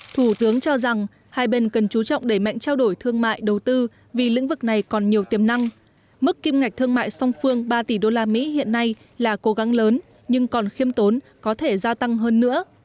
thủ tướng cho rằng hai bên cần chú trọng đẩy mạnh trao đổi thương mại đầu tư vì lĩnh vực này còn nhiều tiềm năng mức kim ngạch thương mại song phương ba tỷ usd hiện nay là cố gắng lớn nhưng còn khiêm tốn có thể gia tăng hơn nữa